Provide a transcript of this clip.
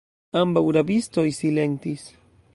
Ambaŭ rabistoj silentis.